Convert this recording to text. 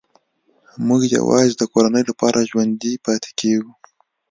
موږ یوازې د کورنۍ لپاره ژوندي پاتې کېږو